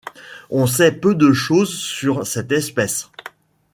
On sait peu de choses sur cette espèce.